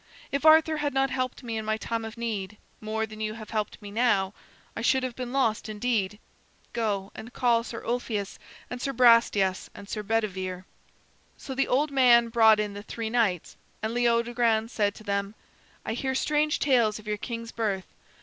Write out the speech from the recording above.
If Arthur had not helped me in my time of need more than you have helped me now, I should have been lost indeed. Go and call Sir Ulfius and Sir Brastias and Sir Bedivere." So the old man brought in the three knights, and Leodogran said to them: "I hear strange tales of your king's birth.